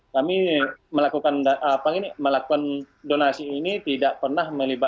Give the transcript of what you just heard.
kami melakukan apa ini melakukan donasi ini tidak pernah melakukan